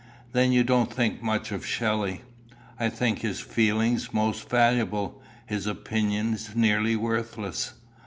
"Then you don't think much of Shelley?" "I think his feeling most valuable; his opinion nearly worthless."